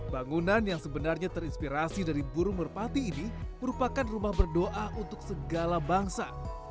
bangunan yang sebenarnya terinspirasi dari burung merpati ini merupakan rumah berdoa untuk segala bangsa